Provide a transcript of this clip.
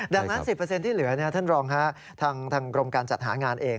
ดังนั้น๑๐ที่เหลือท่านรองทางกรมการจัดหางานเอง